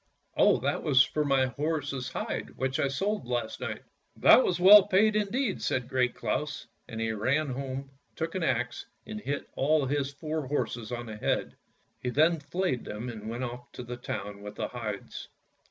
"" Oh, that was for my horse's hide which I sold last night." " That was well paid indeed," said Great Claus, and he ran home, took an axe and hit all his four horses on the head. He then flayed them and went off to the town with the hides.